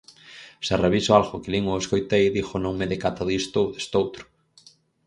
Se reviso algo que lin ou escoitei, digo non me decata disto ou destoutro.